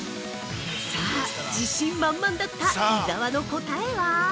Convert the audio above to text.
◆さあ、自信満々だった伊沢の答えは？